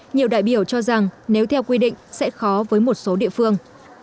nhiều đại biểu cho rằng nếu theo quy định sẽ khó với một số địa phương